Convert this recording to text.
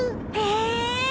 え。